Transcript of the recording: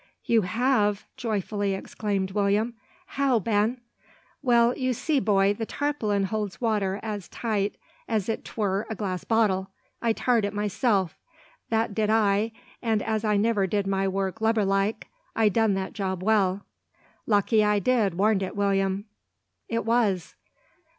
"You have!" joyfully exclaimed William. "How, Ben?" "Well, you see, boy, the tarpolin holds water as tight as if 'twere a glass bottle. I tarred it myself, that did I, an' as I never did my work lubber like, I done that job well. Lucky I did, warn't it, William?" "It was."